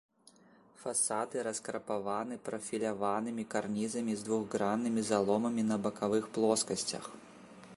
Фасады раскрапаваны прафіляванымі карнізамі з двухграннымі заломамі на бакавых плоскасцях.